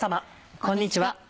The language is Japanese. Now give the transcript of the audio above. こんにちは。